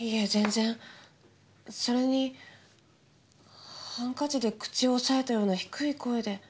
それにハンカチで口を押さえたような低い声で。